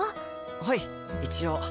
はい一応。